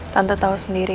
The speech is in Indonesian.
tante tahu sendiri